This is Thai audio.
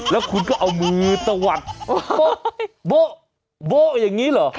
แล้วคุณก็เอามือตะวัดโบ๊ะโบ๊ะอย่างนี้เหรอ